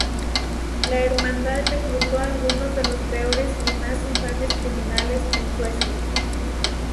La hermandad reclutó a algunos de los peores y más infames criminales en Suecia.